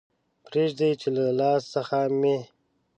بیریږم چې له لاس څخه مې